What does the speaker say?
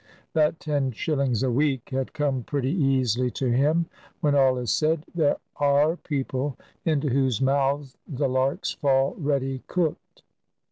That ten shillings a week had come pretty easily to him. When all is said, there are people into whose mouths the larks fall ready cooked!